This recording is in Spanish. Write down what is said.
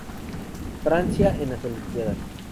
Francia en las Olimpíadas